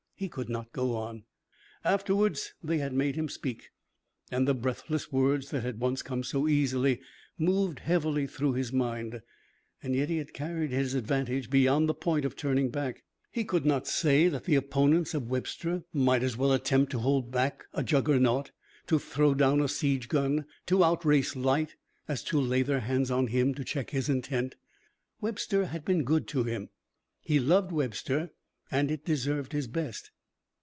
He could not go on. Afterwards they had made him speak, and the breathless words that had once come so easily moved heavily through his mind. Yet he had carried his advantage beyond the point of turning back. He could not say that the opponents of Webster might as well attempt to hold back a Juggernaut, to throw down a siege gun, to outrace light, as to lay their hands on him to check his intent. Webster had been good to him. He loved Webster and it deserved his best.